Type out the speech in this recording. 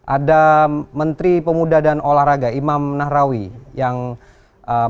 ada menteri pemuda dan olahraga imam nahrawi yang memang saat ini